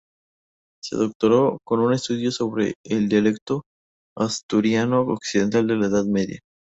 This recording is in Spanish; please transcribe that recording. Se doctoró con un estudio sobre "El dialecto asturiano occidental en la Edad Media".